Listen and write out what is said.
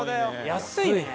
安いね。